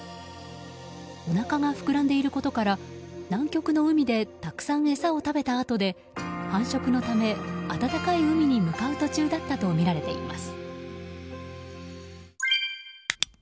おなかが膨らんでいることから南極の海でたくさん餌を食べたあとで繁殖のため、暖かい海に向かう途中だったとみられています。